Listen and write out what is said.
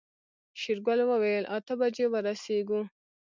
شېرګل وويل اته بجې ورسيږو.